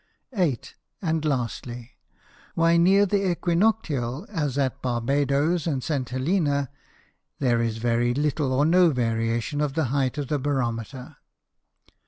8. And Lastly, _Why near the Æquinoctial, as at Barbadoes and St. Helena, there is very little or no Variation of the height of the Barometer?